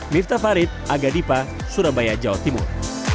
pembatasan kegiatan masyarakat